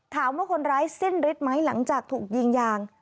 ถามว่าคนร้ายสิ้นฤทธิไหมหลังจากถูกยิงยาง